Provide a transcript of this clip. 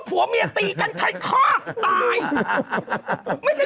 ชี้ดู